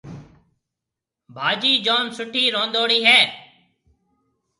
ڀاجِي جوم سُٺِي روندهوڙِي هيَ۔